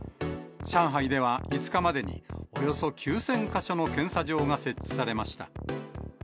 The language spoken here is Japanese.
上海では５日までに、およそ９０００か所の検査場が設置されました。